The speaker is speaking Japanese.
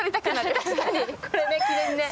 確かにこれね記念ね